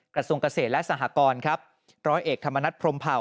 กระทรวงเกษตรและสหกรครับร้อยเอกธรรมนัฐพรมเผ่า